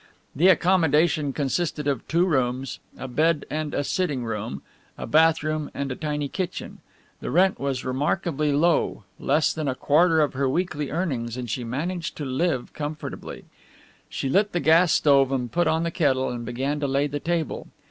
The accommodation consisted of two rooms, a bed and a sitting room, a bath room and a tiny kitchen. The rent was remarkably low, less than a quarter of her weekly earnings, and she managed to live comfortably. She lit the gas stove and put on the kettle and began to lay the table.